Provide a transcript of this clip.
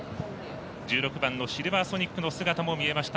１６番のシルヴァーソニックの姿も見えました。